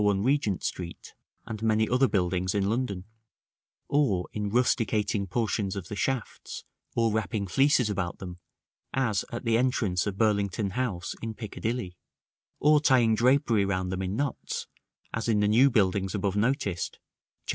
1, Regent Street, and many other buildings in London; or in rusticating portions of the shafts, or wrapping fleeces about them, as at the entrance of Burlington House, in Piccadilly; or tying drapery round them in knots, as in the new buildings above noticed (Chap.